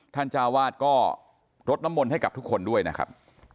เจ้าวาดก็รดน้ำมนต์ให้กับทุกคนด้วยนะครับ